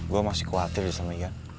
gue masih khawatir sama ian